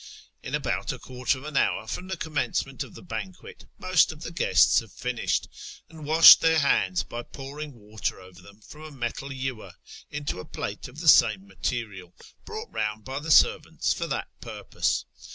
In about a quarter of an hour from the commencement of the banquet most of the guests have finished and washed their hands by pouring water over them from a metal ewer into a plate of the same material, brought round by the servants for that purpose.